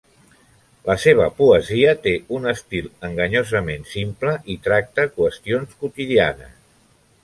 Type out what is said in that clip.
La seva poesia té un estil enganyosament simple i tracta qüestions quotidianes.